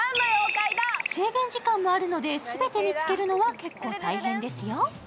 制限時間もあるので全て見つけるのは結構大変ですよ。